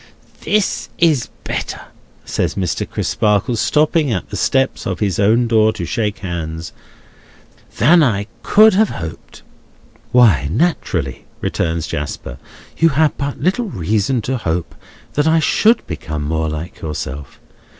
"This is better," says Mr. Crisparkle, stopping at the steps of his own door to shake hands, "than I could have hoped." "Why, naturally," returns Jasper. "You had but little reason to hope that I should become more like yourself.